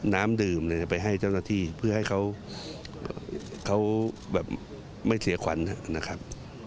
น้ำดื่มเลยไปให้เจ้าหน้าที่เพื่อให้เขาแบบไม่เสียขวัญนะครับ